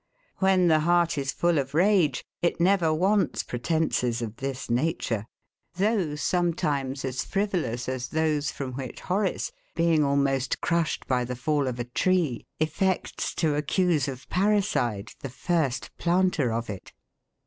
When the heart is full of rage, it never wants pretences of this nature; though sometimes as frivolous, as those from which Horace, being almost crushed by the fall of a tree, effects to accuse of parricide the first planter of it.